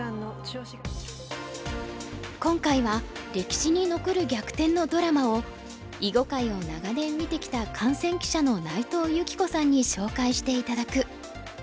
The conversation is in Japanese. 今回は歴史に残る逆転のドラマを囲碁界を長年見てきた観戦記者の内藤由起子さんに紹介して頂く。